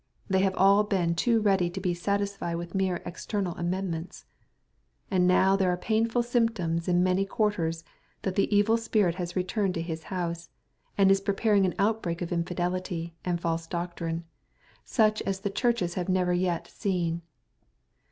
They have all been too ready to be satisfied with mere external amend ments. And now there are painful symptoms in many quarters that the evil spirit has returned to his house, and is preparing an outbreak of infidelity, and false doctrine, such as the chiux)hes have never yet seen.